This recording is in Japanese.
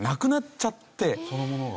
そのものが。